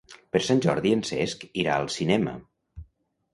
Per Sant Jordi en Cesc irà al cinema.